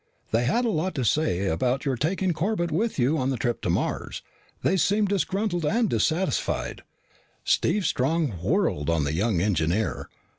They had a lot to say about your taking Corbett with you on the trip to Mars. They seemed disgruntled and dissatisfied." Steve Strong whirled on the young engineer.